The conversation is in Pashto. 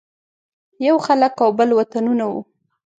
یو خلک او بل وطنونه وو.